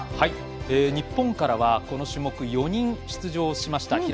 日本からはこの種目、４人出場しました。